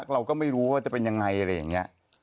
เราก็ไม่รู้ว่าจะเป็นยังไงอะไรอย่างนี้